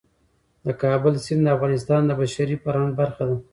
د کابل سیند د افغانستان د بشري فرهنګ برخه ده.